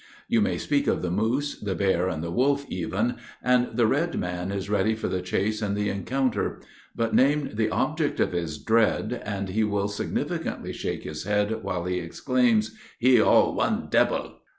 You may speak of the moose, the bear, and the wolf even, and the red man is ready for the chase and the encounter. But name the object of his dread, and he will significantly shake his head, while he exclaims, "He all one debil!"